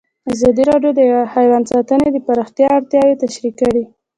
ازادي راډیو د حیوان ساتنه د پراختیا اړتیاوې تشریح کړي.